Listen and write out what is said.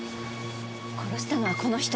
殺したのはこの人。